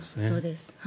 そうです。